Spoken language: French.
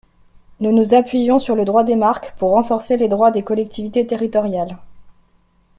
Nous nous appuyons sur le droit des marques pour renforcer les droits des collectivités territoriales.